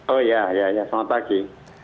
oh ya selamat pagi